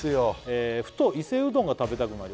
「ふと伊勢うどんが食べたくなり」